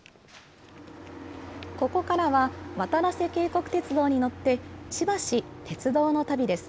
ここからは、わたらせ渓谷鐵道に乗って、しばし鉄道の旅です。